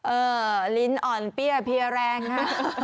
เออลิ้นอ่อนเปรี้ยเปรี้ยแรงค่ะ